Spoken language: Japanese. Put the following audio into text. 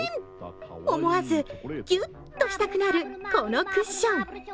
思わずギュッとしたくなるこのクッション。